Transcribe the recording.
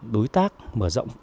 đối tác mở rộng